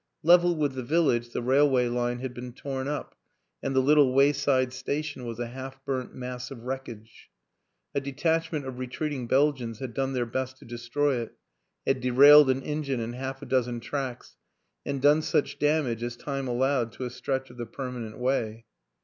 Level with the village the railway line had been torn up and the little wayside sta tion was a half burnt mass of wreckage ; a detach ment of retreating Belgians had done their best to destroy it, had derailed an engine and half a dozen trucks and done such damage as time al lowed to a stretch of the permanent way.